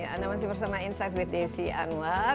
anda masih bersama insight with desi anwar